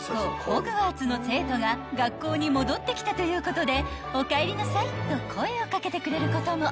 ホグワーツの生徒が学校に戻ってきたということで「おかえりなさい」と声を掛けてくれることも］